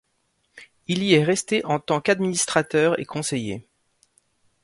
Il y est resté en tant qu'administrateur et conseiller.